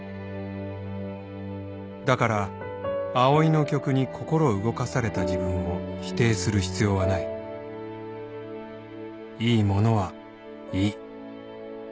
「だからＡＯＩの曲に心動かされた自分を否定する必要はない」「いいものはいい」